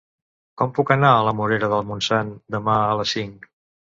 Com puc anar a la Morera de Montsant demà a les cinc?